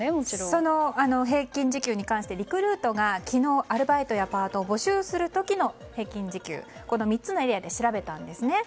その平均時給に関してリクルートが昨日、アルバイトやパートを募集する時の平均時給をこの３つのエリアで調べたんですね。